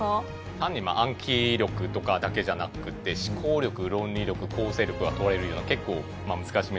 単に暗記力とかだけじゃなくて思考力論理力構成力が問われるような結構難しめの試験でしたね。